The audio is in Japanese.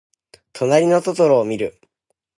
となりのトトロをみる。